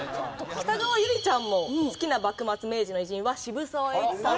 北川悠理ちゃんも好きな幕末・明治の偉人は渋沢栄一さん。